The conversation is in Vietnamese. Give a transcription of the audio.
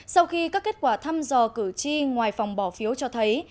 sau khi các kết quả thăm dò cử tri ngoài phòng bỏ phiếu cho thấy